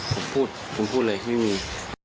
ผมพูดเลยไม่มี